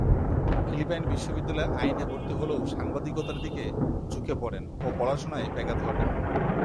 Philippine বিশ্ববিদ্যালয়ে আইনে ভর্তি হলেও সাংবাদিকতার দিকে ঝুঁকে পড়েন ও পড়াশোনায় ব্যাঘাত ঘটে।